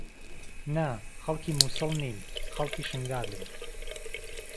نا، خەڵکی مووسڵ نیم، خەڵکی شنگالم.